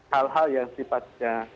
hal hal yang sifatnya